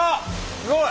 すごい！